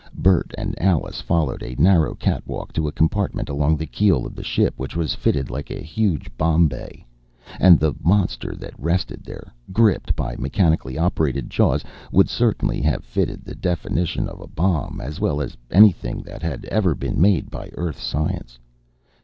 Bert and Alice followed a narrow catwalk to a compartment along the keel of the ship which was fitted like a huge bomb bay. And the monster that rested there, gripped by mechanically operated claws, would certainly have fitted the definition of a bomb as well as anything that had ever been made by Earth science.